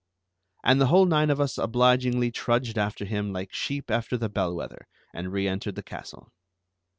And the whole nine of us obligingly trudged after him like sheep after the bellwether, and reëntered the castle.